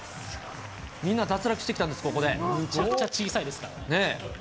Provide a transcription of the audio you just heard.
みんな脱落してきたんです、めちゃくちゃ小さいですからね。